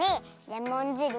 レモンじる！